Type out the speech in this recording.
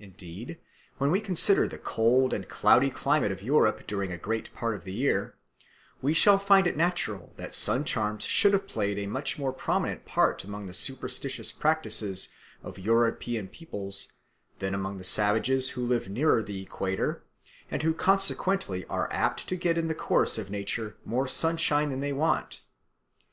Indeed, when we consider the cold and cloudy climate of Europe during a great part of the year, we shall find it natural that sun charms should have played a much more prominent part among the superstitious practices of European peoples than among those of savages who live nearer the equator and who consequently are apt to get in the course of nature more sunshine than they want.